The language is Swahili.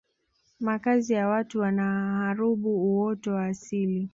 makazi ya watu yanaharubu uoto wa asili